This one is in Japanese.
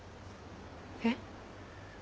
えっ？